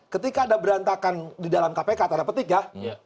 ketika ada berantakan di dalam kpk tanda petik ya